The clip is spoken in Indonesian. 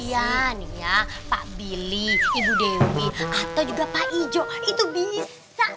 iya nih ya pak billy ibu dewi atau juga pak ijo itu bisa